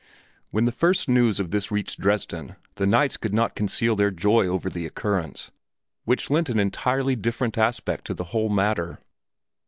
When the first news of this reached Dresden the knights could not conceal their joy over the occurrence, which lent an entirely different aspect to the whole matter.